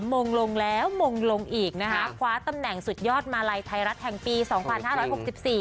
มงลงแล้วมงลงอีกนะคะคว้าตำแหน่งสุดยอดมาลัยไทยรัฐแห่งปีสองพันห้าร้อยหกสิบสี่